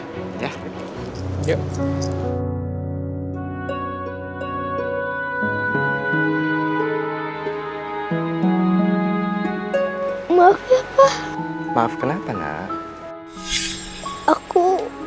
maaf ya pak maaf kenapa enggak aku